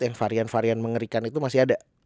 yang varian varian mengerikan itu masih ada